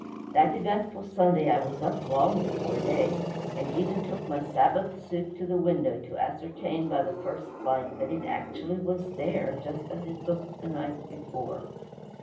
That eventful Sunday I was up long before day, and even took my Sabbath suit to the window to ascertain by the first light that it actually was there, just as it looked the night before.